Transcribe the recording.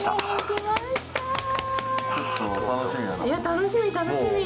楽しみ楽しみ